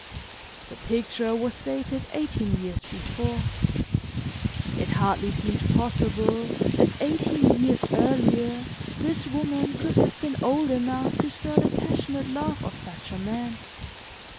The picture was dated eighteen years before. It hardly seemed possible that eighteen years earlier this woman could have been old enough to stir the passionate love of such a man.